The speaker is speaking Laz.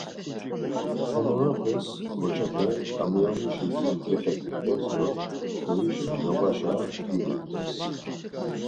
Hemorapes ǩoçepe ǩamiyonişi jin gexedurt̆es do kyoişen noğaşa gyulurt̆es.